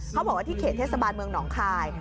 เขาบอกว่าที่เขตเทศบาลเมืองหนองคาย